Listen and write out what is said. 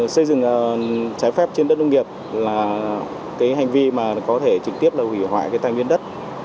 xây dựng trái phép trên đất nông nghiệp là cái hành vi mà có thể trực tiếp là hủy hoại cái tài nguyên đất